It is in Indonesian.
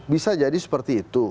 bisa jadi seperti itu